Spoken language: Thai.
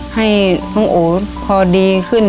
ให้น้องโอพอดีขึ้น